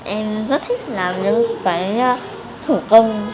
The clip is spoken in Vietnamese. em rất thích làm những cái thủ công